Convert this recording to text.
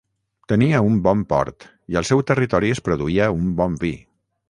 Tenia un bon port i al seu territori es produïa un bon vi.